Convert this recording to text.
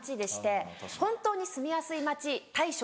「本当に住みやすい街大賞」。